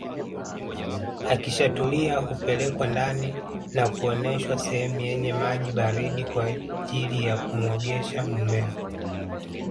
Akishatulia hupelekwa ndani na kuoneshwa sehemu yenye maji baridi kwa ajili ya kumuogesha mumewe